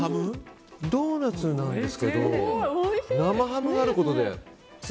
ドーナツなんですけど生ハムがあることで。